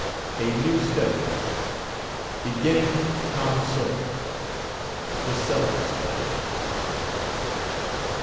A NEW STUDY. BEGINNING "TOM SAWYER." THE SELLERS PLAY.